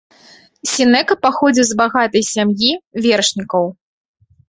Сенека паходзіў з багатай сем'і вершнікаў.